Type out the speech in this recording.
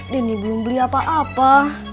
denny belum beli apa apa